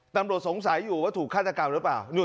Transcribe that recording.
ตำรวจสงสัยอยู่ว่าถูกฆาตกรรมหรือเปล่า